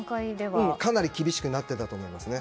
かなり厳しくなっていたと思いますね。